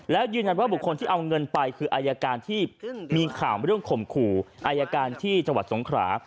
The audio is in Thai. แล้วยืนยันว่าบุคคลที่เอาเงินไปคืออายการที่มีข่าวเรื่องข่มขู่อายการที่จังหวัดสงขรา